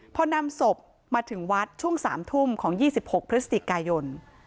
พอนำศพมาถึงวัดช่วง๓ทุ่มของ๒๖พฤศจิกายน